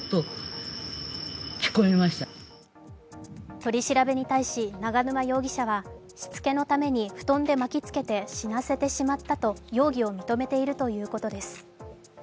取り調べに対し永沼容疑者はしつけのために布団で巻きつけて死なせてしまったと容疑を認めているということです。